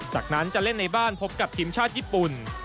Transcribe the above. จากนั้นจะเล่นในบ้านพบกับทีมชาติญี่ปุ่น